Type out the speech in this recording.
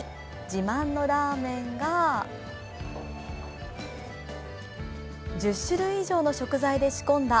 自慢のラーメンが１０種類以上の食材で仕込んだ